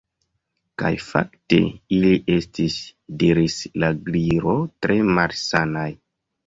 "Kaj fakte ili estis " diris la Gliro "tre malsanaj."